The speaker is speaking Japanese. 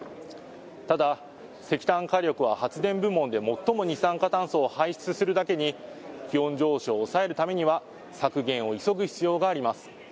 ただ、石炭火力は発電部門で最も二酸化炭素を排出するだけに気温上昇を抑えるためには削減を急ぐ必要があります。